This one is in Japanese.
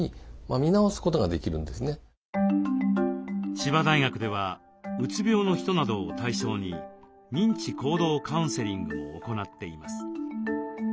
千葉大学ではうつ病の人などを対象に認知行動カウンセリングを行っています。